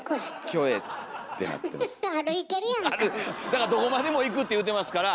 だからどこまでも行くって言うてますから。